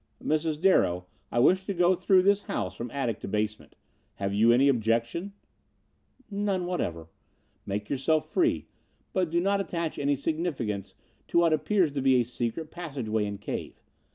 "Mrs. Darrow, I wish to go through this house from attic to basement. Have you any objections?" "None whatever. Make yourself free, but do not attach any significance to what appears to be a secret passageway and cave.